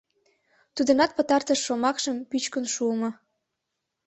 Тудынат пытартыш шомакшым пӱчкын шуымо.